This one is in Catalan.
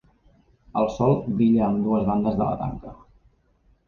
El sol brilla a ambdues bandes de la tanca.